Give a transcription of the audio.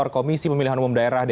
ketua umum dpi